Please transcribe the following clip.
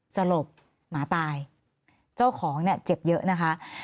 สลบหมาตายเจ้าของเนี่ยเจ็บเยอะนะคะ